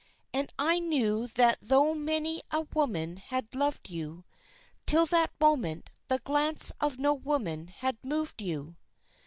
(And I knew that tho' many a woman had loved you, Till that moment, the glance of no woman had moved you!)